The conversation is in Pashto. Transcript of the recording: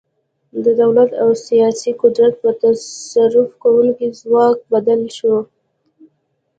د دولت او سیاسي قدرت په تصرف کوونکي ځواک بدل شو.